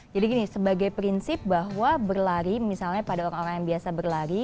gini sebagai prinsip bahwa berlari misalnya pada orang orang yang biasa berlari